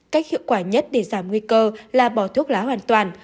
cách hiệu quả nhất để giảm nguy cơ là bỏ thuốc lá hoàn toàn